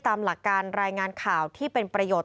ตามหลักการรายงานข่าวที่เป็นประโยชน์